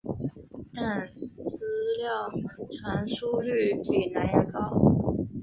但资料传输率比蓝牙高。